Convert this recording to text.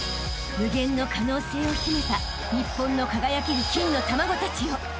［無限の可能性を秘めた日本の輝ける金の卵たちよ］